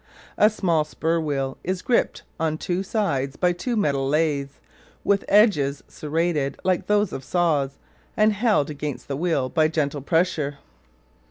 A small spur wheel is gripped on two sides by two metal laths, with edges serrated like those of saws, and held against the wheel by gentle pressure.